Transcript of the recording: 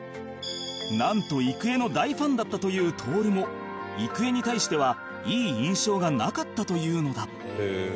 なんと郁恵の大ファンだったという徹も郁恵に対してはいい印象がなかったというのだ